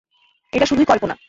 এটা শুধুই কল্পনা।